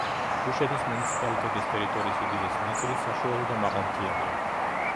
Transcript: დუშეთის მუნიციპალიტეტის ტერიტორიის უდიდესი ნაწილი საშუალო და მაღალმთიანია.